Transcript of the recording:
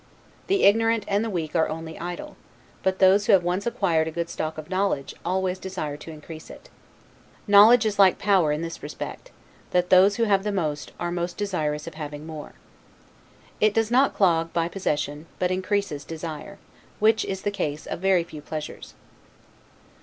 The ignorant and the weak are only idle; but those who have once acquired a good stock of knowledge, always desire to increase it. Knowledge is like power in this respect, that those who have the most, are most desirous of having more. It does not clog, by possession, but increases desire; which is the case of very few pleasures.